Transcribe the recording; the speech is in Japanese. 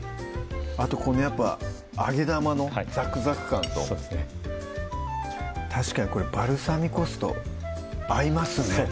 あとこのやっぱ揚げ玉のざくざく感と確かにこれバルサミコ酢と合いますね